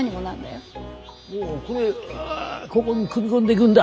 これこごに組み込んでいぐんだ。